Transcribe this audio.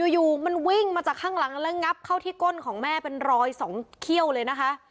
อยู่มันวิ่งมาจากข้างหลังแล้วงับเข้าที่ก้นของแม่เป็นรอยสองเขี้ยวเลยนะคะ